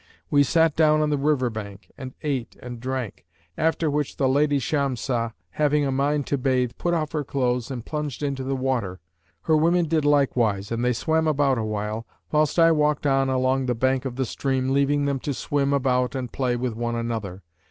We sat down on the riverbank and ate and drank; after which the Lady Shamsah, having a mind to bathe, put off her clothes and plunged into the water. Her women did likewise and they swam about awhile, whilst I walked on along the bank of the stream leaving them to swim about and play with one another.